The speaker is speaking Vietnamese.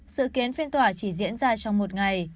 sự kiến phiên tòa chỉ diễn ra trong một ngày